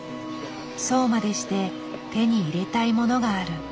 そうまでして手に入れたいものがある。